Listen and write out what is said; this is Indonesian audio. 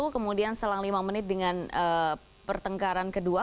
kemudian selang lima menit dengan pertengkaran kedua